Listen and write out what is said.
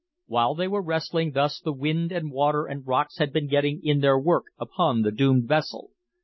While they were wrestling thus the wind and water and rocks had been getting in their work upon the doomed vessel.